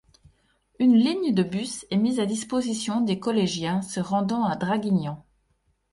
Une ligne de bus est mise à disposition des collégiens se rendant à Draguignan.